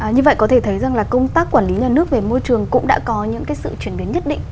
như vậy có thể thấy rằng là công tác quản lý nhà nước về môi trường cũng đã có những sự chuyển biến nhất định